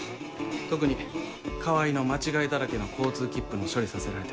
特に川合の間違いだらけの交通切符の処理させられてる時。